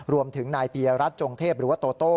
รวมถึงนายปียรัฐจงเทพหรือว่าโตโต้